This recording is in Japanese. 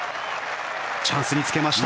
チャンスにつけました。